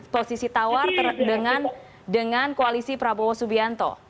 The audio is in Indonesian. posisi tawar dengan koalisi prabowo subianto